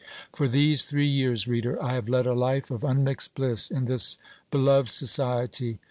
For these three years, reader, I have led a life of unmixed bliss in this beloved society.